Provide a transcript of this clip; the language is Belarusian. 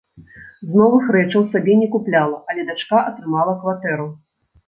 З новых рэчаў сабе не купляла, але дачка атрымала кватэру.